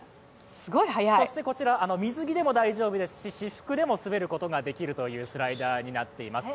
そしてこちら、水着でも大丈夫ですし、私服でも滑ることができるスライダーになっています。